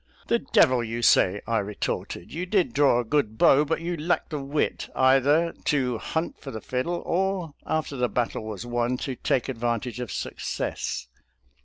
" The devil you say !" I retorted. " You did draw a good bow, but you lacked the wit, either to hunt for the fiddle, or, after the battle was won, to take advantage of success.